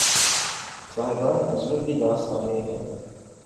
صاحبان عزیمت کی داستانیں ہیں